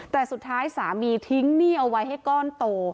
แต่สุดท้ายสามีทิ้งหนี้เอาไว้ให้ก้อนโต